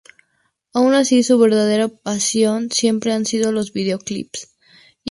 Aun así, su verdadera pasión siempre han sido los videoclips.